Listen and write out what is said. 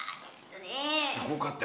すごかったよ。